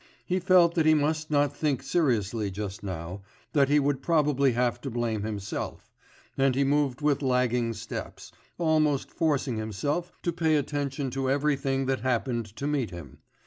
He felt that he must not think seriously just now, that he would probably have to blame himself, and he moved with lagging steps, almost forcing himself to pay attention to everything that happened to meet him....